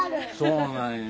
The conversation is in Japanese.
そうなんよ。